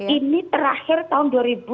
ini terakhir tahun dua ribu tiga belas